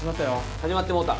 始まってもうた。